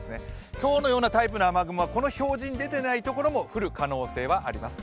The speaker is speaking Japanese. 今日のようなタイプの雨雲はこの表示に出ていないところも降る可能性があります。